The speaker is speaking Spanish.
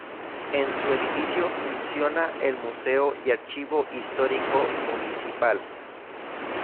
En su edificio funciona el Museo y Archivo Histórico Municipal.